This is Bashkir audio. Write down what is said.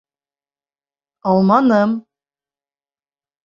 Алманым.